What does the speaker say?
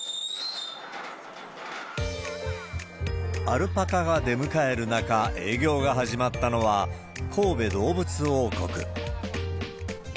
アルパカが出迎える中、営業が始まったのは、神戸どうぶつ王国。